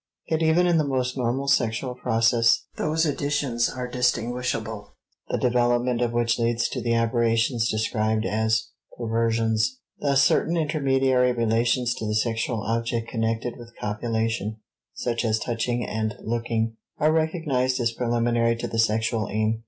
Yet even in the most normal sexual process those additions are distinguishable, the development of which leads to the aberrations described as perversions. Thus certain intermediary relations to the sexual object connected with copulation, such as touching and looking, are recognized as preliminary to the sexual aim.